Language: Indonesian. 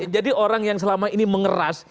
jadi orang yang selama ini mengeras